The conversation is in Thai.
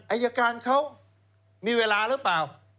อายการเขามีเวลาหรือเปล่า